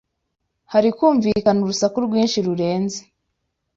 Harikumvikana urusaku rwinshi rurenze